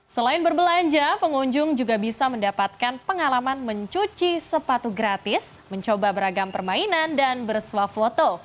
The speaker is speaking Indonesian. selain berbelanja pengunjung juga bisa mendapatkan pengalaman mencuci sepatu gratis mencoba beragam permainan dan bersuah foto